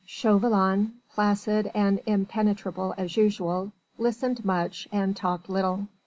Chauvelin placid and impenetrable as usual listened much and talked little.